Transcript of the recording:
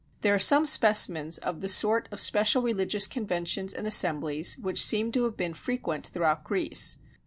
There are some specimens of the sort of special religious conventions and assemblies which seem to have been frequent throughout Greece.